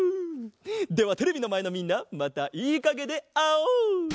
ではテレビのまえのみんなまたいいかげであおう！